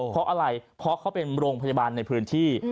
เพราะอะไรเพราะเขาเป็นโรงพยาบาลในพื้นที่